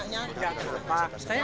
saya yang nanya baik baik